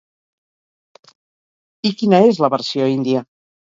I quina és la versió índia?